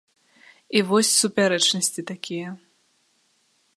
І вось супярэчнасці такія.